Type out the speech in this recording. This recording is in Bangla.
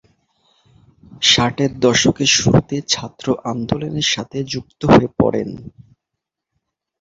ষাট এর দশকের শুরুতে ছাত্র আন্দোলনের সাথে যুক্ত হয়ে পড়েন।